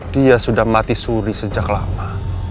dia sudah mati suri sejak lama